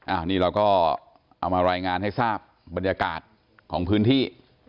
อันนี้เราก็เอามารายงานให้ทราบบรรยากาศของพื้นที่